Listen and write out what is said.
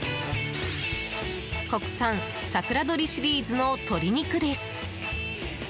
国産さくらどりシリーズの鶏肉です。